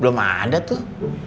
belum ada tuh